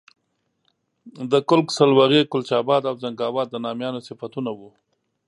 د کُلک، سولغی، کلچ آباد او زنګاوات د نامیانو صفتونه وو.